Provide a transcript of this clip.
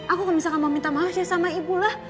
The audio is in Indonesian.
aku gak bisa gak mau minta maaf sama ibu lah